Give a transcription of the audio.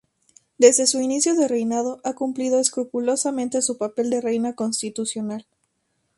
Desde su inicio de reinado ha cumplido escrupulosamente su papel de reina constitucional.